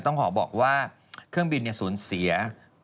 ต้องขอบอกว่าเครื่องบินสูญเสีย